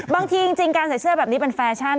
จริงการใส่เสื้อแบบนี้เป็นแฟชั่น